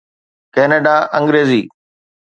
Canada Angrezi